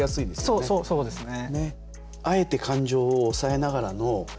そうそうそうですね。